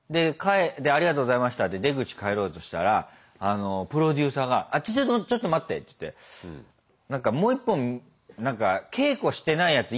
でありがとうございましたって出口帰ろうとしたらプロデューサーがちょっと待ってちょっと待ってっつって何かもう一本何か稽古してないやつ